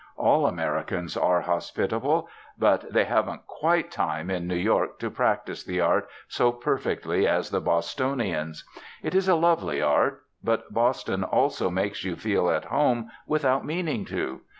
All Americans are hospitable; but they haven't quite time in New York to practise the art so perfectly as the Bostonians. It is a lovely art.... But Boston also makes you feel at home without meaning to.